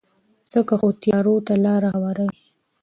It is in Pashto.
ځکه خو تیارو ته لارې هواروي.